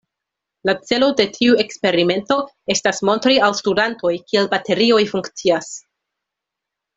La celo de tiu eksperimento estas montri al studantoj kiel baterioj funkcias.